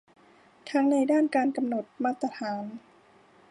ทั้งในด้านการกำหนดมาตรฐาน